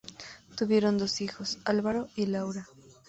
Tuvieron dos hijos, Álvaro y Laura.